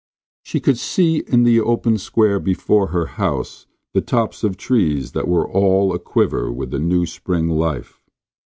She could see in the open square before her house the tops of trees that were all aquiver with the new spring life.